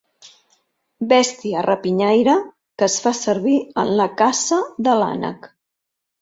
Bèstia rapinyaire que es fa servir en la caça de l'ànec.